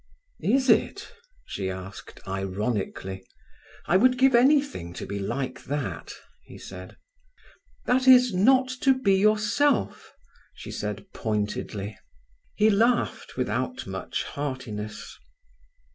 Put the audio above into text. "Is it?" she asked ironically. "I would give anything to be like that," he said. "That is, not to be yourself," she said pointedly. He laughed without much heartiness.